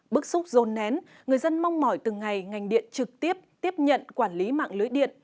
bức xúc rôn nén người dân mong mỏi từng ngày ngành điện trực tiếp tiếp nhận quản lý mạng lưới điện